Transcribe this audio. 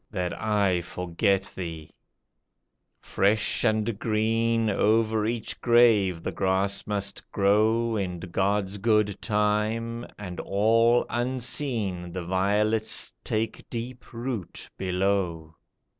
That I forget thee ! Fresh and green Over each grave the grass must grow In God's good time, and, all unseen, The violets take deep root below.